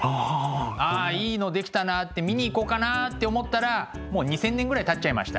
あいいの出来たなって見に行こうかなって思ったらもう２，０００年ぐらいたっちゃいました。